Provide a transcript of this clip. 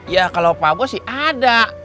ya kalau pak agus sih ada